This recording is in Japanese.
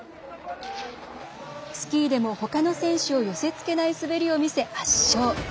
スキーでも、ほかの選手を寄せつけない滑りを見せ、圧勝。